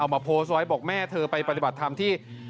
มาโพสต์ไว้บอกแม่เธอไปปฏิบัติธรรมที่